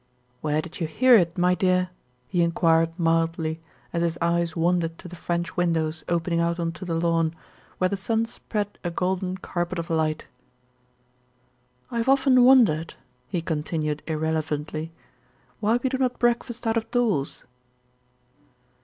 "Where did you hear it, my dear?" he enquired mildly, as his eyes wandered to the French windows opening out on to the lawn, where the sun spread a golden carpet of light. "I have often wondered," he continued irrelevantly, "why we do not breakfast out of doors."